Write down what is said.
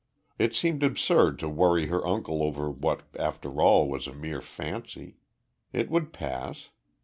It seemed absurd to worry her uncle over what after all was a mere fancy. It would pass.